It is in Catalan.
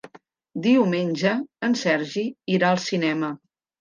Diumenge en Sergi irà al cinema.